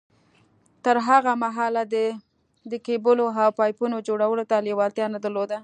تر هغه مهاله ده د کېبلو او پايپونو جوړولو ته لېوالتيا نه درلوده.